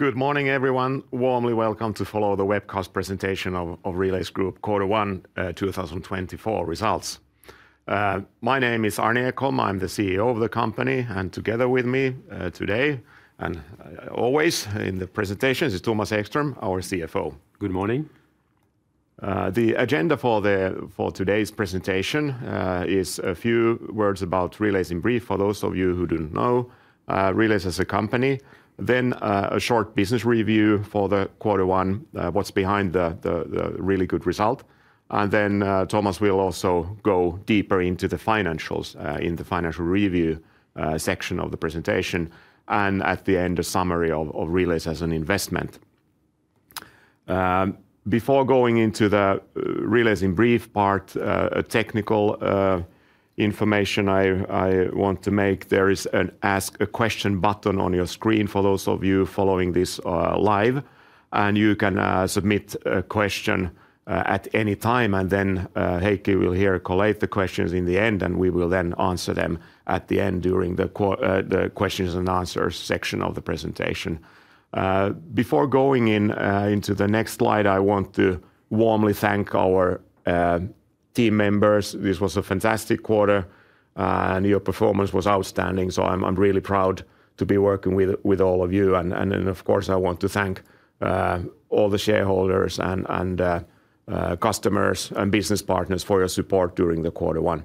Good morning, everyone. Warmly welcome to follow the webcast presentation of, of Relais Group quarter one 2024 results. My name is Arni Ekholm. I'm the CEO of the company, and together with me, today and, always in the presentation is Thomas Ekström, our CFO. Good morning. The agenda for today's presentation is a few words about Relais in brief, for those of you who don't know, Relais as a company. Then, a short business review for the quarter one, what's behind the really good result. And then, Thomas will also go deeper into the financials in the financial review section of the presentation, and at the end, a summary of Relais as an investment. Before going into the Relais in brief part, a technical information I want to make, there is an Ask a Question button on your screen for those of you following this live, and you can submit a question at any time, and then Heikki will here collate the questions in the end, and we will then answer them at the end during the questions and answers section of the presentation. Before going into the next slide, I want to warmly thank our team members. This was a fantastic quarter, and your performance was outstanding, so I'm really proud to be working with all of you. Of course, I want to thank all the shareholders and customers and business partners for your support during the quarter one.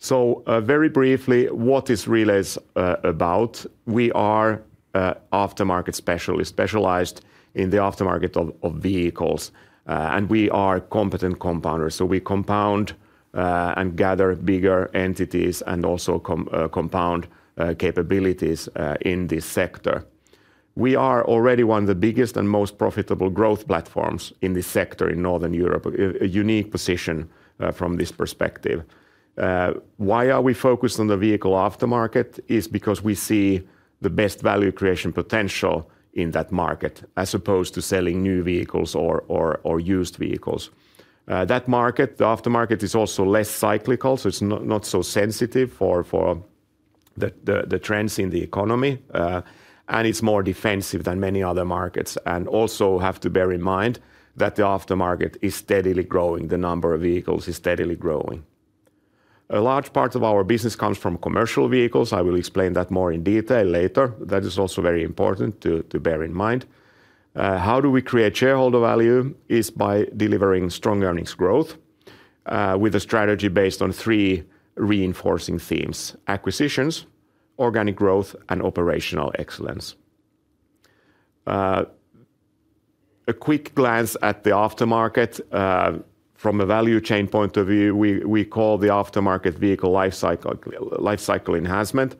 So, very briefly, what is Relais about? We are a aftermarket specialist, specialized in the aftermarket of vehicles, and we are competent compounders. So we compound and gather bigger entities, and also compound capabilities in this sector. We are already one of the biggest and most profitable growth platforms in this sector in Northern Europe, a unique position from this perspective. Why are we focused on the vehicle aftermarket? Is because we see the best value creation potential in that market, as opposed to selling new vehicles or used vehicles. That market, the aftermarket, is also less cyclical, so it's not so sensitive for the trends in the economy, and it's more defensive than many other markets. Also have to bear in mind that the aftermarket is steadily growing. The number of vehicles is steadily growing. A large part of our business comes from commercial vehicles. I will explain that more in detail later. That is also very important to bear in mind. How do we create shareholder value, is by delivering strong earnings growth, with a strategy based on three reinforcing themes: acquisitions, organic growth, and operational excellence. A quick glance at the aftermarket, from a value chain point of view, we call the aftermarket vehicle lifecycle, lifecycle enhancement.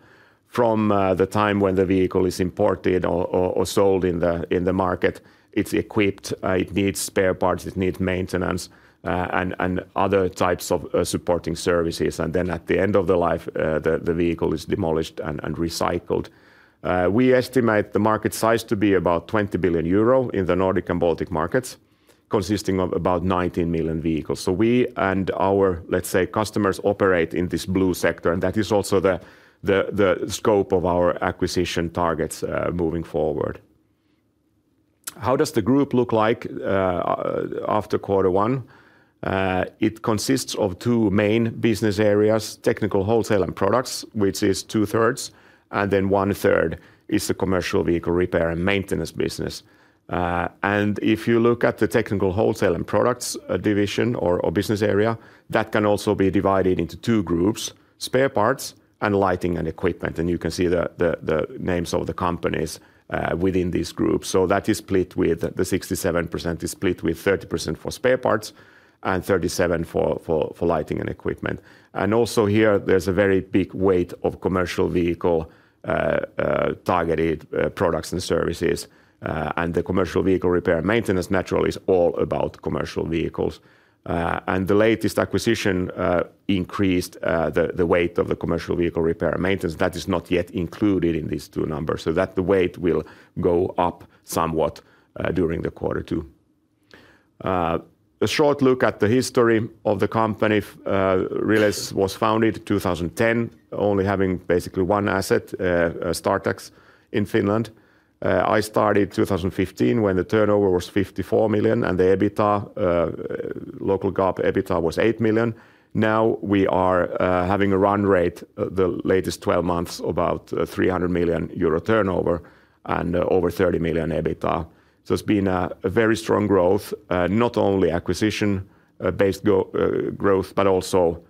From the time when the vehicle is imported or sold in the market, it's equipped, it needs spare parts, it needs maintenance, and other types of supporting services, and then at the end of the life, the vehicle is demolished and recycled. We estimate the market size to be about 20 billion euro in the Nordic and Baltic markets, consisting of about 19 million vehicles. So we and our, let's say, customers operate in this blue sector, and that is also the scope of our acquisition targets, moving forward. How does the group look like after quarter one? It consists of two main business areas: Technical Wholesale and Products, which is two thirds, and then one third is the Commercial Vehicle Repair and Maintenance business. And if you look at the Technical Wholesale and Products division or business area, that can also be divided into two groups: Spare Parts and Lighting and Equipment. And you can see the names of the companies within these groups. So that is split with the 67% is split, with 30% for Spare Parts and 37% for Lighting and Equipment. And also here, there's a very big weight of commercial vehicle targeted products and services, and the Commercial Vehicle Repair and Maintenance naturally is all about commercial vehicles. And the latest acquisition increased the weight of the Commercial Vehicle Repair and Maintenance. That is not yet included in these two numbers, so that the weight will go up somewhat during the quarter two. A short look at the history of the company. Relais was founded in 2010, only having basically one asset, Startax in Finland. I started in 2015, when the turnover was 54 million, and the EBITDA, local GAAP EBITDA was 8 million. Now, we are having a run rate, the latest 12 months, about, 300 million euro turnover and over 30 million EBITDA. So it's been a very strong growth, not only acquisition-based growth, but also,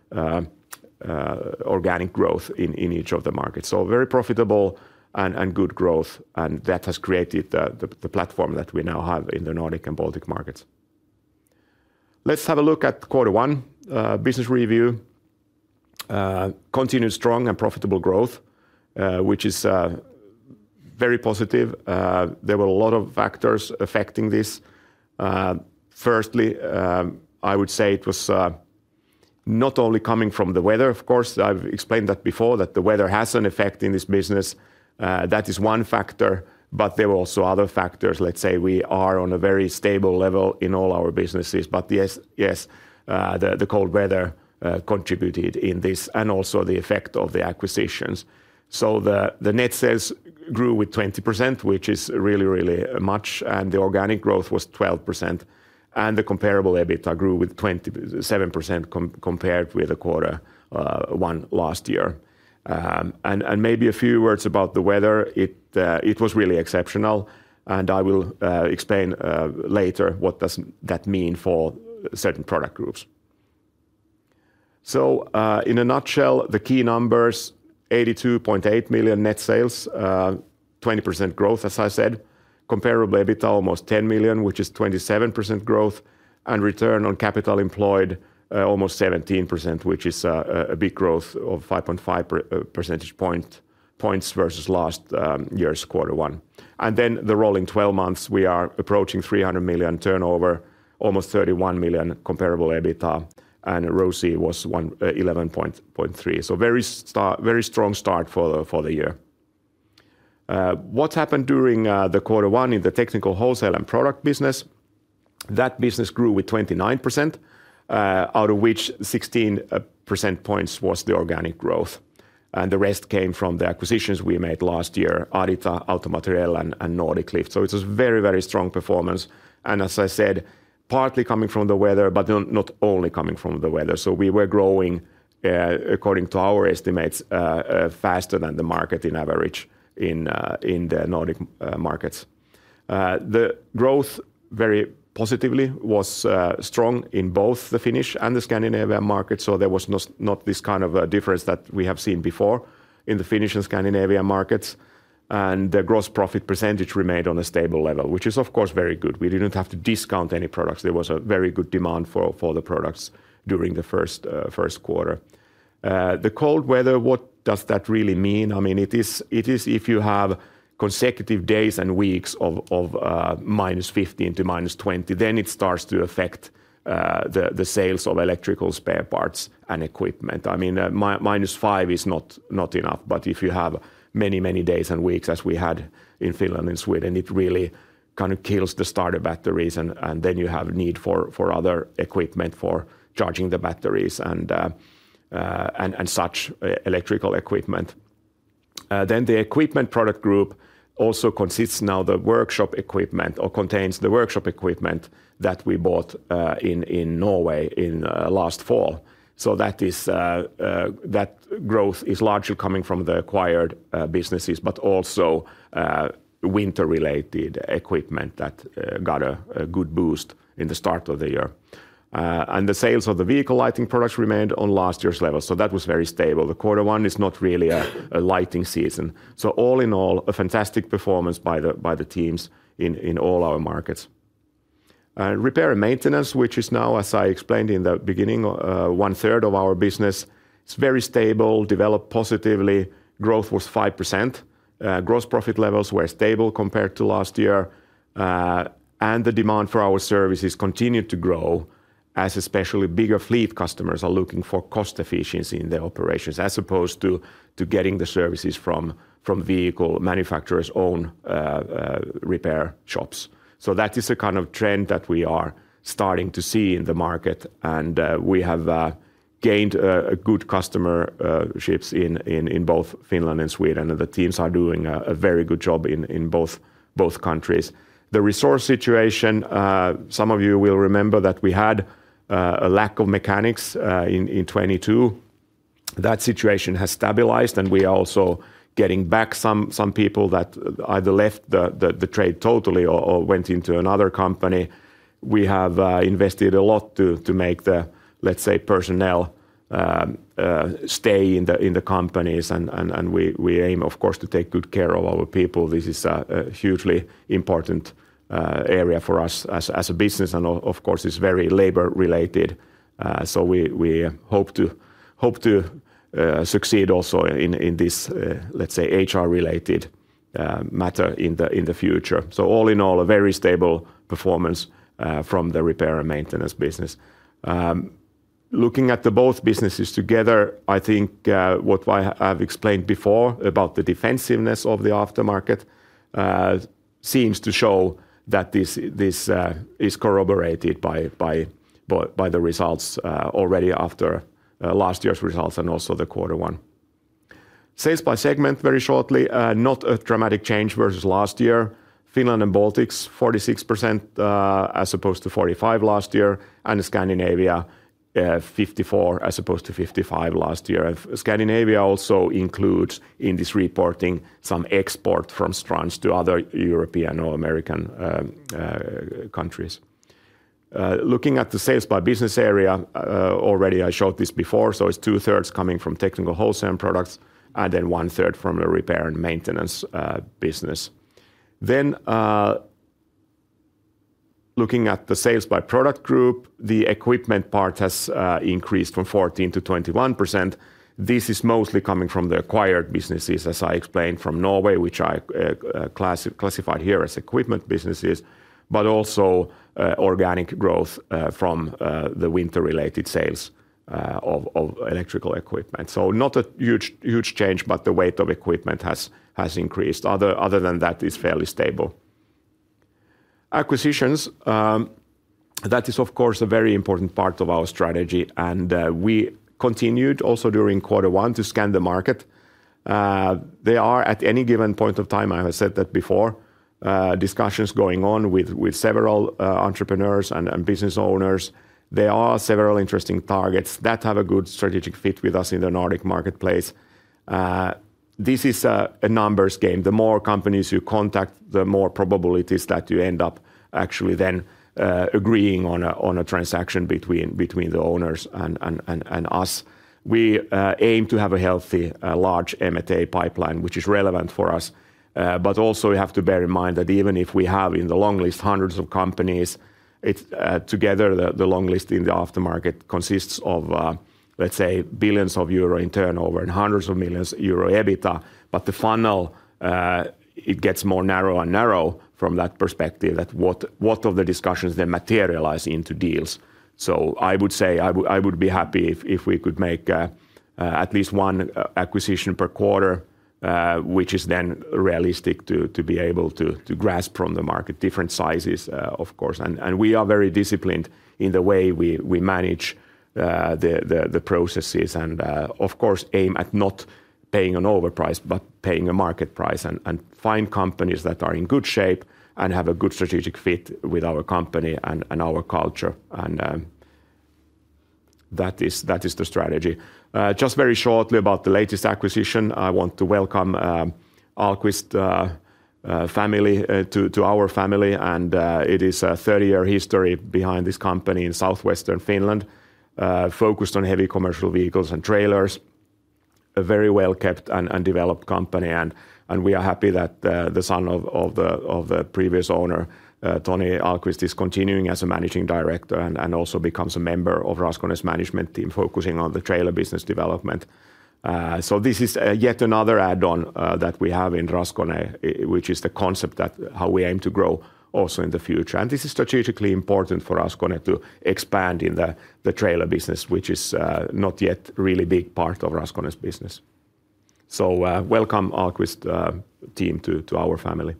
organic growth in each of the markets. So very profitable and good growth, and that has created the platform that we now have in the Nordic and Baltic markets. Let's have a look at quarter one. Business review continued strong and profitable growth, which is very positive. There were a lot of factors affecting this. Firstly, I would say it was not only coming from the weather, of course. I've explained that before, that the weather has an effect in this business. That is one factor, but there are also other factors. Let's say we are on a very stable level in all our businesses, but yes, yes, the cold weather contributed in this, and also the effect of the acquisitions. So the net sales grew with 20%, which is really, really much, and the organic growth was 12%, and the comparable EBITDA grew with 27% compared with the quarter one last year. And maybe a few words about the weather. It was really exceptional, and I will explain later what does that mean for certain product groups. So, in a nutshell, the key numbers, 82.8 million net sales, 20% growth, as I said, comparable EBITDA almost 10 million, which is 27% growth, and return on capital employed almost 17%, which is a big growth of 5.5 percentage points versus last year's quarter one. And then the rolling twelve months, we are approaching 300 million turnover, almost 31 million comparable EBITDA, and ROCE was 11.3. So very strong start for the year. What happened during the quarter one in the technical wholesale and product business? That business grew with 29%, out of which 16 percentage points was the organic growth, and the rest came from the acquisitions we made last year, Adita, Auto-Materiell, and Nordic Lift. So it was very, very strong performance, and as I said, partly coming from the weather, but not, not only coming from the weather. So we were growing, according to our estimates, faster than the market in average in the Nordic markets. The growth, very positively, was strong in both the Finnish and the Scandinavian markets, so there was not, not this kind of a difference that we have seen before in the Finnish and Scandinavian markets. And the gross profit percentage remained on a stable level, which is of course, very good. We didn't have to discount any products. There was a very good demand for the products during the first quarter. The cold weather, what does that really mean? I mean, it is if you have consecutive days and weeks of -15 to -20, then it starts to affect the sales of electrical spare parts and equipment. I mean, minus -5 is not enough, but if you have many days and weeks, as we had in Finland and Sweden, it really kind of kills the starter batteries, and then you have need for other equipment for charging the batteries and such electrical equipment. Then the equipment product group also consists now the workshop equipment, or contains the workshop equipment that we bought in Norway in last fall. So that is, that growth is largely coming from the acquired businesses, but also winter-related equipment that got a good boost in the start of the year. And the sales of the vehicle lighting products remained on last year's level, so that was very stable. The quarter one is not really a lighting season. So all in all, a fantastic performance by the teams in all our markets. Repair and maintenance, which is now, as I explained in the beginning, one third of our business, it's very stable, developed positively. Growth was 5%. Gross profit levels were stable compared to last year, and the demand for our services continued to grow, as especially bigger fleet customers are looking for cost efficiency in their operations, as opposed to getting the services from vehicle manufacturer's own repair shops. So that is the kind of trend that we are starting to see in the market, and we have gained a good customer base in both Finland and Sweden, and the teams are doing a very good job in both countries. The resource situation, some of you will remember that we had a lack of mechanics in 2022. That situation has stabilized, and we are also getting back some people that either left the trade totally or went into another company. We have invested a lot to make the, let's say, personnel stay in the companies, and we aim, of course, to take good care of our people. This is a hugely important area for us as a business, and of course, it's very labor related. So we hope to succeed also in this, let's say, HR-related matter in the future. So all in all, a very stable performance from the repair and maintenance business. Looking at both businesses together, I think what I have explained before about the defensiveness of the aftermarket seems to show that this is corroborated by the results already after last year's results and also the quarter one. Sales by segment, very shortly, not a dramatic change versus last year. Finland and Baltics, 46%, as opposed to 45% last year, and Scandinavia, 54% as opposed to 55% last year. Scandinavia also includes, in this reporting, some export from Strands to other European or American countries. Looking at the sales by business area, already I showed this before, so it's two-thirds coming from technical wholesale products, and then one-third from a repair and maintenance business. Then, looking at the sales by product group, the equipment part has increased from 14% to 21%. This is mostly coming from the acquired businesses, as I explained, from Norway, which I classified here as equipment businesses, but also organic growth from the winter-related sales of electrical equipment. Not a huge, huge change, but the weight of equipment has increased. Other than that, it's fairly stable. Acquisitions, that is, of course, a very important part of our strategy, and we continued also during quarter one to scan the market. There are, at any given point of time, I have said that before, discussions going on with several entrepreneurs and business owners. There are several interesting targets that have a good strategic fit with us in the Nordic marketplace. This is a numbers game. The more companies you contact, the more probable it is that you end up actually then agreeing on a transaction between the owners and us. We aim to have a healthy, large M&A pipeline, which is relevant for us. But also we have to bear in mind that even if we have, in the long list, hundreds of companies, it's together, the long list in the aftermarket consists of, let's say, billions of Euro in turnover and hundreds of millions of Euro EBITDA. But the funnel it gets more narrow and narrow from that perspective, that what of the discussions then materialize into deals? So I would say I would be happy if we could make at least one acquisition per quarter, which is then realistic to be able to grasp from the market. Different sizes, of course, and we are very disciplined in the way we manage the processes and, of course, aim at not paying an overprice, but paying a market price, and find companies that are in good shape and have a good strategic fit with our company and our culture, and that is the strategy. Just very shortly about the latest acquisition, I want to welcome Ahlqvist family to our family, and it is a 30-year history behind this company in Southwest Finland, focused on heavy commercial vehicles and trailers. A very well-kept and developed company, and we are happy that the son of the previous owner, Tony Ahlqvist, is continuing as a Managing Director and also becomes a member of Raskone's management team, focusing on the trailer business development. So this is yet another add-on that we have in Raskone, which is the concept that... how we aim to grow also in the future. And this is strategically important for Raskone to expand in the trailer business, which is not yet a really big part of Raskone's business. So welcome, Ahlqvist team, to our family.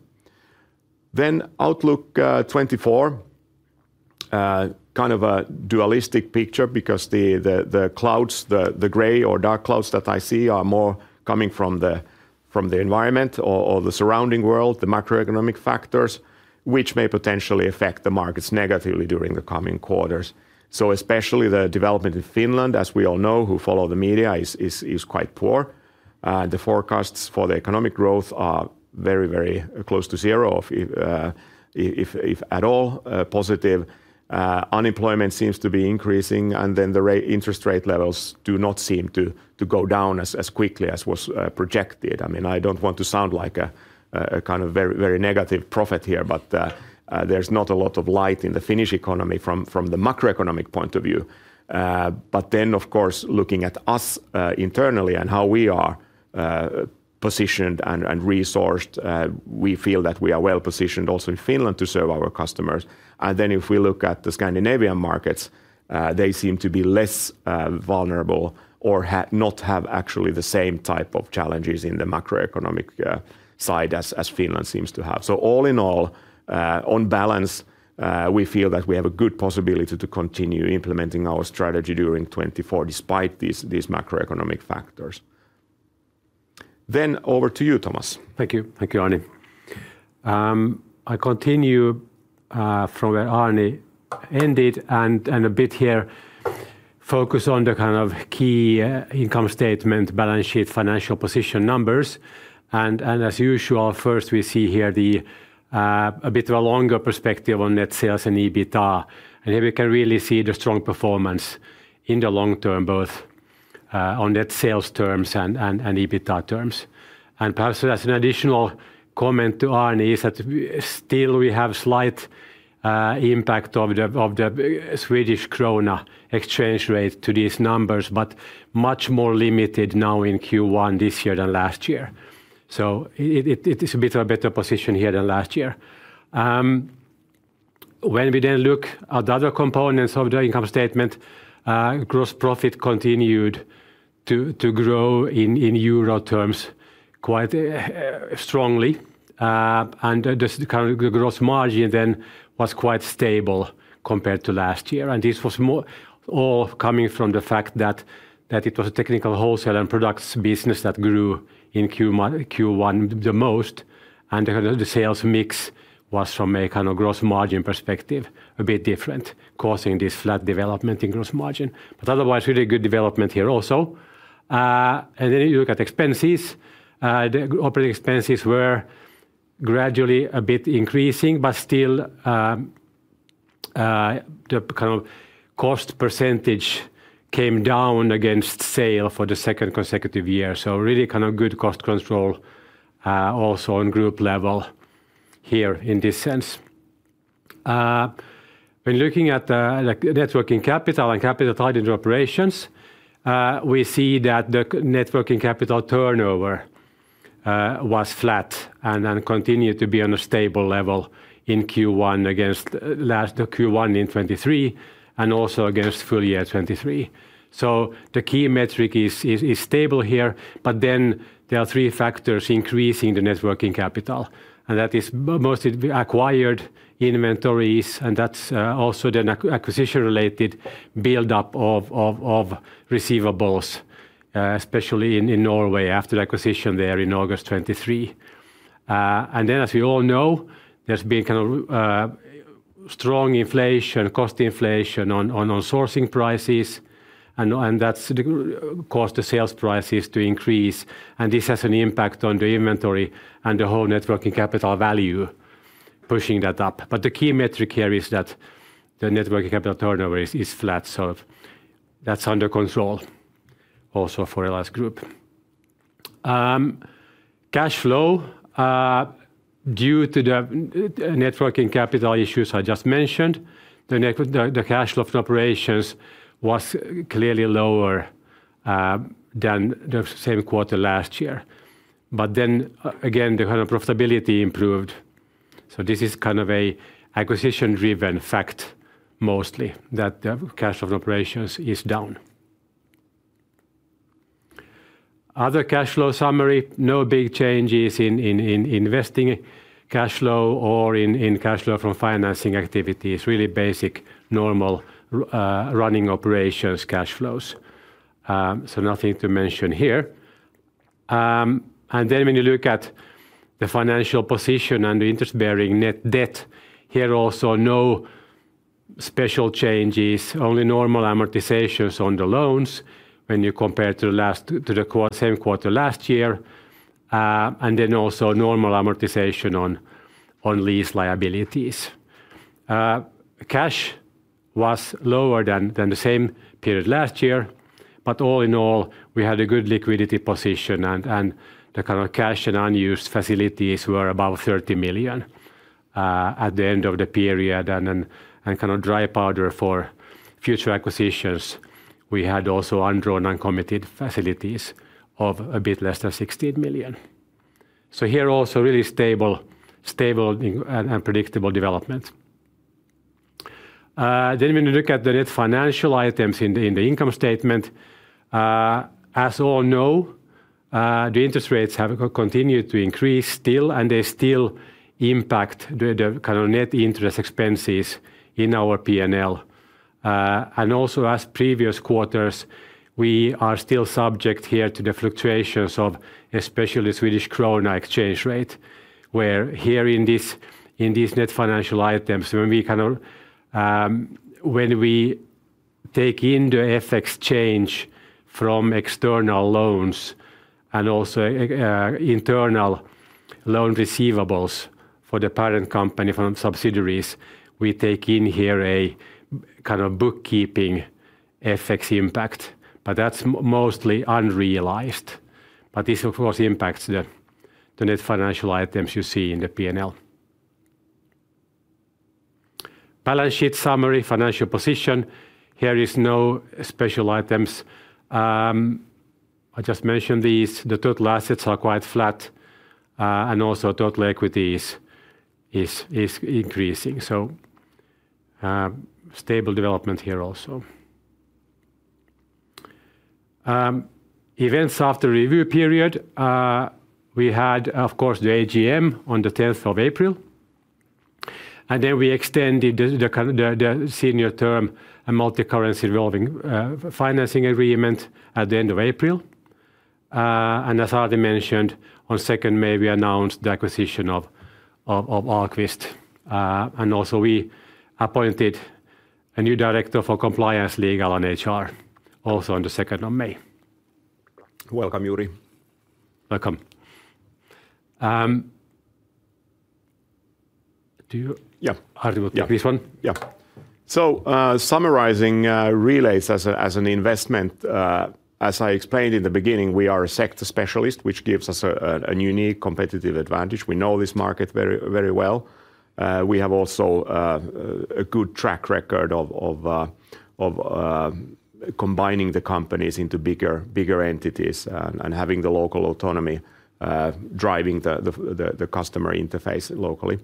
Then outlook 2024. Kind of a dualistic picture because the clouds, the gray or dark clouds that I see are more coming from the environment or the surrounding world, the macroeconomic factors, which may potentially affect the markets negatively during the coming quarters. So especially the development in Finland, as we all know who follow the media, is quite poor. The forecasts for the economic growth are very, very close to zero or, if at all, positive. Unemployment seems to be increasing, and then the rate, interest rate levels do not seem to go down as quickly as was projected. I mean, I don't want to sound like a kind of very, very negative prophet here, but there's not a lot of light in the Finnish economy from the macroeconomic point of view. But then, of course, looking at us internally and how we are positioned and resourced, we feel that we are well positioned also in Finland to serve our customers. And then, if we look at the Scandinavian markets, they seem to be less vulnerable or not have actually the same type of challenges in the macroeconomic side as Finland seems to have. So all in all, on balance, we feel that we have a good possibility to continue implementing our strategy during 2024, despite these macroeconomic factors. Then, over to you, Thomas. Thank you. Thank you, Arni. I continue from where Arni ended, and a bit here, focus on the kind of key income statement, balance sheet, financial position numbers. And as usual, first, we see here a bit of a longer perspective on net sales and EBITDA, and here we can really see the strong performance in the long term, both on net sales terms and EBITDA terms. And perhaps as an additional comment to Arni is that we still have slight impact of the Swedish krona exchange rate to these numbers, but much more limited now in Q1 this year than last year. So it is a bit of a better position here than last year. When we then look at the other components of the income statement, gross profit continued to grow in euro terms quite strongly. And the kind of the gross margin then was quite stable compared to last year, and this was more all coming from the fact that it was the Technical Wholesale and Products business that grew in Q1 the most, and the sales mix was from a kind of gross margin perspective a bit different, causing this flat development in gross margin, but otherwise really good development here also. And then you look at expenses, the operating expenses were gradually a bit increasing, but still, the kind of cost percentage came down against sales for the second consecutive year, so really kind of good cost control, also on group level here in this sense. When looking at the, like, net working capital and capital tied into operations, we see that the net working capital turnover was flat and then continued to be on a stable level in Q1 against last, the Q1 in 2023, and also against full year 2023. So the key metric is stable here, but then there are three factors increasing the net working capital, and that is mostly acquired inventories, and that's also then acquisition-related build-up of, of, of receivables, especially in, in Norway after the acquisition there in August 2023. And then as we all know, there's been kind of strong inflation, cost inflation on sourcing prices, and that's caused the sales prices to increase, and this has an impact on the inventory and the whole net working capital value, pushing that up. But the key metric here is that the net working capital turnover is flat, so that's under control also for the last group. Cash flow due to the net working capital issues I just mentioned, the cash flow from operations was clearly lower than the same quarter last year. But then, again, the kind of profitability improved, so this is kind of an acquisition-driven fact mostly, that the cash flow from operations is down. Other cash flow summary, no big changes in investing cash flow or in cash flow from financing activities. Really basic, normal running operations cash flows. So nothing to mention here. And then when you look at the financial position and the interest-bearing net debt, here also, no special changes, only normal amortizations on the loans when you compare to the same quarter last year, and then also normal amortization on lease liabilities. Cash was lower than the same period last year, but all in all, we had a good liquidity position and the kind of cash and unused facilities were above 30 million at the end of the period. And then kind of dry powder for future acquisitions, we had also undrawn, uncommitted facilities of a bit less than 16 million. So here also really stable and predictable development. Then when you look at the net financial items in the income statement, as all know, the interest rates have continued to increase still, and they still impact the kind of net interest expenses in our P&L. And also, as previous quarters, we are still subject here to the fluctuations of especially Swedish krona exchange rate, where here in this, in these net financial items, when we kind of take in the FX change from external loans and also, internal loan receivables for the parent company from subsidiaries, we take in here a kind of bookkeeping FX impact, but that's mostly unrealized. But this, of course, impacts the net financial items you see in the P&L. Balance sheet summary, financial position: here is no special items. I just mentioned these. The total assets are quite flat, and also total equity is increasing, so stable development here also. Events after review period, we had, of course, the AGM on the 10th of April, and then we extended the current the senior term and multi-currency revolving financing agreement at the end of April. And as already mentioned, on 2nd May, we announced the acquisition of Ahlqvist. And also, we appointed a new director for compliance, legal, and HR, also on the 2nd of May. Welcome, Juri. Welcome. Do you- Yeah. Arni will take this one? Yeah, yeah. So, summarizing, Relais as a, as an investment, as I explained in the beginning, we are a sector specialist, which gives us a, a, an unique competitive advantage. We know this market very, very well. We have also a good track record of, of, combining the companies into bigger, bigger entities and, and having the local autonomy, driving the, the, the, the customer interface locally.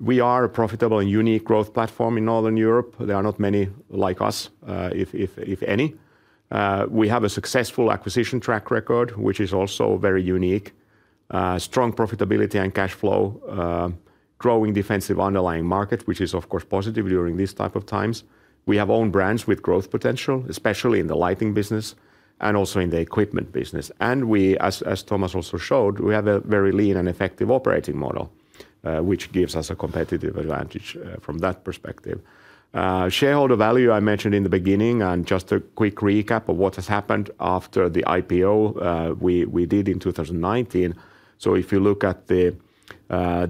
We are a profitable and unique growth platform in Northern Europe. There are not many like us, if, if, if any. We have a successful acquisition track record, which is also very unique. Strong profitability and cash flow, growing defensive underlying market, which is, of course, positive during these type of times. We have own brands with growth potential, especially in the lighting business and also in the equipment business. We, as Thomas also showed, we have a very lean and effective operating model, which gives us a competitive advantage from that perspective. Shareholder value, I mentioned in the beginning, and just a quick recap of what has happened after the IPO we did in 2019. So if you look at the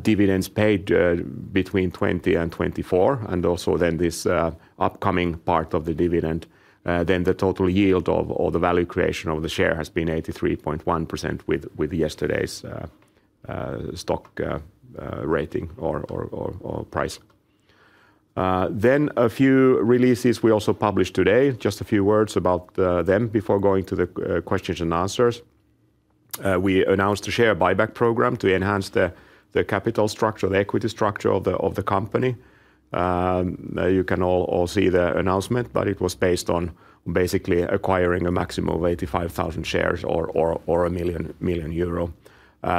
dividends paid between 2020 and 2024, and also then this upcoming part of the dividend, then the total yield of, or the value creation of the share has been 83.1% with yesterday's stock rating or price. Then a few releases we also published today. Just a few words about them before going to the questions and answers. We announced a share buyback program to enhance the capital structure, the equity structure of the company. You can all see the announcement, but it was based on basically acquiring a maximum of 85,000 shares or 1 million.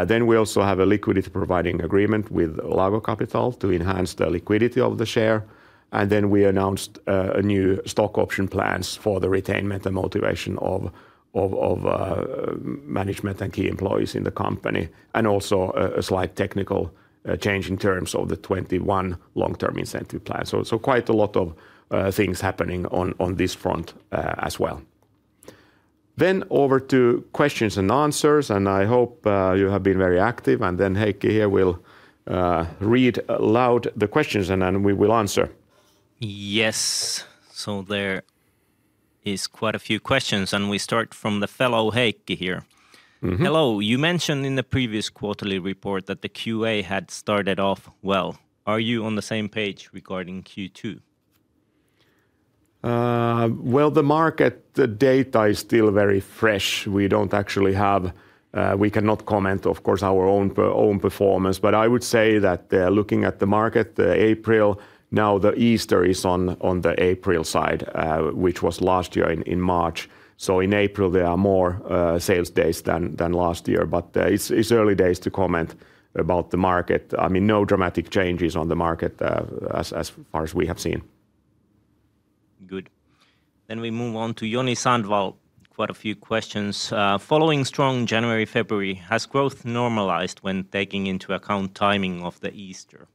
Then we also have a liquidity-providing agreement with Lago Kapital to enhance the liquidity of the share, and then we announced a new stock option plans for the retainment and motivation of management and key employees in the company, and also a slight technical change in terms of the 2021 long-term incentive plan. So quite a lot of things happening on this front as well. Then over to questions and answers, and I hope you have been very active, and then Heikki here will read aloud the questions, and then we will answer. Yes, there is quite a few questions, and we start from the fellow Heikki here. Mm-hmm. Hello. You mentioned in the previous quarterly report that the Q1 had started off well. Are you on the same page regarding Q2? Well, the market, the data is still very fresh. We don't actually have... We cannot comment, of course, our own performance, but I would say that, looking at the market, the April, now the Easter is on the April side, which was last year in March, so in April there are more sales days than last year. But, it's early days to comment about the market. I mean, no dramatic changes on the market, as far as we have seen. Good. Then we move on to Joni Sandvall, quite a few questions. "Following strong January, February, has growth normalized when taking into account timing of the Easter?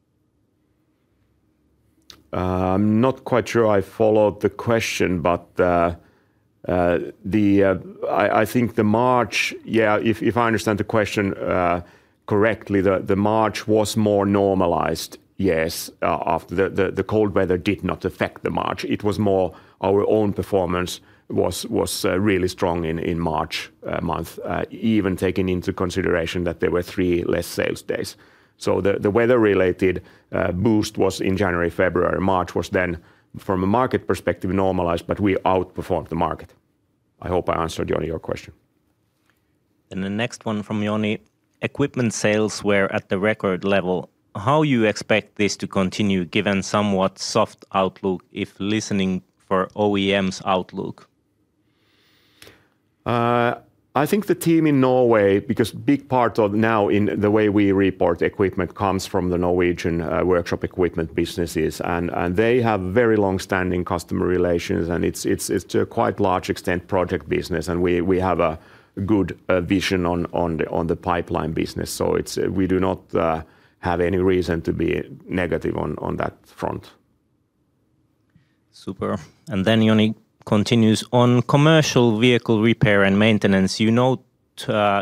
I'm not quite sure I followed the question, but I think the March, yeah, if I understand the question correctly, the March was more normalized, yes, after the cold weather did not affect the March. It was more our own performance was really strong in March month, even taking into consideration that there were three less sales days. So the weather-related boost was in January, February. March was then, from a market perspective, normalized, but we outperformed the market. I hope I answered, Joni, your question. The next one from Joni: "Equipment sales were at the record level. How you expect this to continue, given somewhat soft outlook, if listening for OEM's outlook? I think the team in Norway, because big part of now in the way we report equipment comes from the Norwegian workshop equipment businesses, and they have very long-standing customer relations, and it's to a quite large extent project business, and we have a good vision on the pipeline business. So it's... We do not have any reason to be negative on that front. Super. And then Joni continues, "On commercial vehicle repair and maintenance, you note,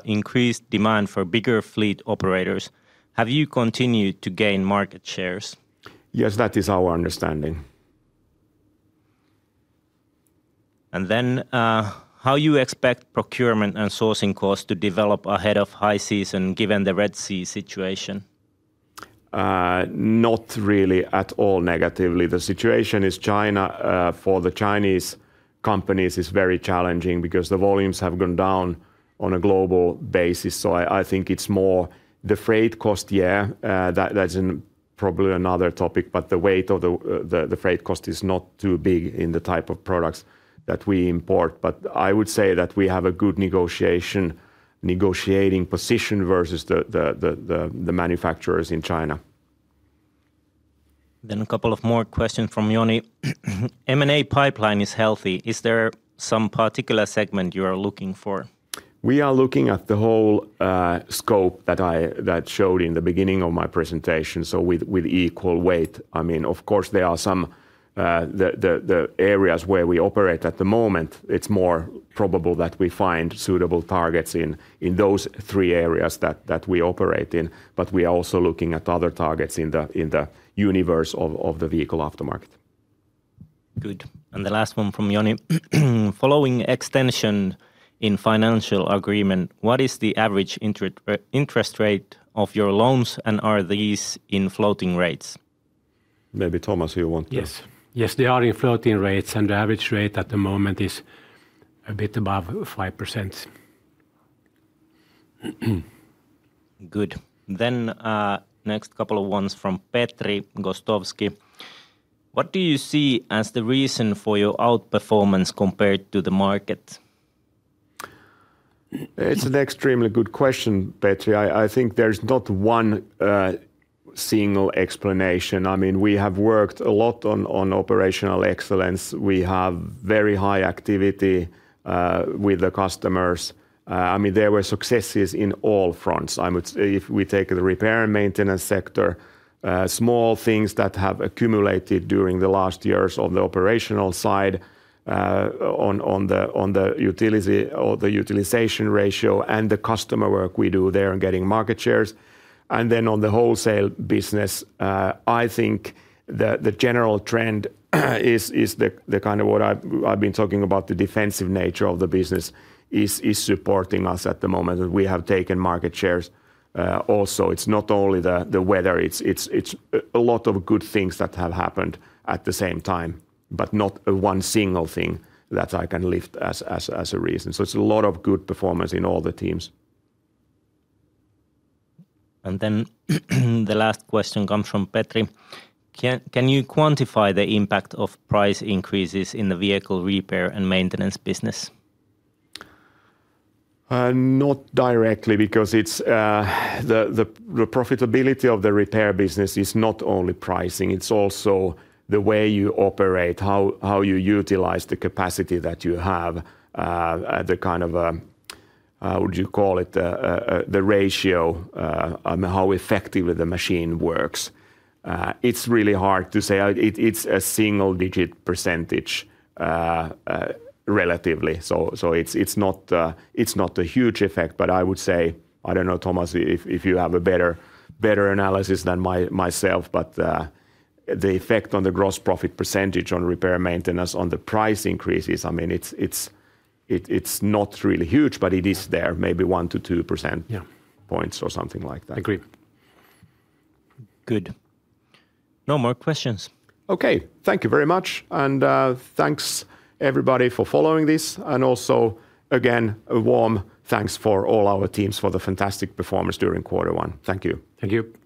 increased demand for bigger fleet operators. Have you continued to gain market shares? Yes, that is our understanding. And then, "How you expect procurement and sourcing costs to develop ahead of high season, given the Red Sea situation? Not really at all negatively. The situation is China, for the Chinese companies, is very challenging, because the volumes have gone down on a global basis. So I think it's more the freight cost, yeah, that's probably another topic, but the weight of the freight cost is not too big in the type of products that we import. But I would say that we have a good negotiating position versus the manufacturers in China. Then a couple more questions from Joni. "M&A pipeline is healthy. Is there some particular segment you are looking for? We are looking at the whole scope that I showed in the beginning of my presentation, so with equal weight. I mean, of course, there are some areas where we operate at the moment. It's more probable that we find suitable targets in those three areas that we operate in, but we are also looking at other targets in the universe of the vehicle aftermarket. Good, and the last one from Joni. "Following extension in financial agreement, what is the average interest rate of your loans, and are these in floating rates? Maybe, Thomas, you want this? Yes. Yes, they are in floating rates, and the average rate at the moment is a bit above 5%. Good. Then, next couple of ones from Petri Gostowski: "What do you see as the reason for your outperformance compared to the market? It's an extremely good question, Petri. I think there's not one single explanation. I mean, we have worked a lot on operational excellence. We have very high activity with the customers. I mean, there were successes in all fronts. I would say if we take the repair and maintenance sector, small things that have accumulated during the last years on the operational side, on the utility or the utilization ratio and the customer work we do there in getting market shares. And then on the wholesale business, I think the general trend is the kind of what I've been talking about, the defensive nature of the business is supporting us at the moment, and we have taken market shares. Also, it's not only the weather, it's a lot of good things that have happened at the same time, but not one single thing that I can lift as a reason. So it's a lot of good performance in all the teams. And then the last question comes from Petri: "Can you quantify the impact of price increases in the vehicle repair and maintenance business? Not directly, because it's the profitability of the repair business is not only pricing, it's also the way you operate, how you utilize the capacity that you have, the kind of would you call it, a the ratio on how effectively the machine works. It's really hard to say. It's a single-digit percentage, relatively, so it's not a huge effect, but I would say... I don't know, Thomas, if you have a better analysis than myself, but the effect on the gross profit percentage on repair and maintenance, on the price increases, I mean, it's not really huge, but it is there, maybe 1%-2%. Yeah... points or something like that. Agree. Good. No more questions. Okay, thank you very much, and, thanks, everybody, for following this, and also, again, a warm thanks for all our teams for the fantastic performance during quarter one. Thank you. Thank you.